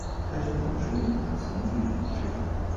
开山导师乃曾玉女师傅。